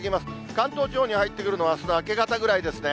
関東地方に入ってくるのは、あすの明け方ぐらいですね。